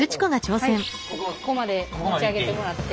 ここまで持ち上げてもらって。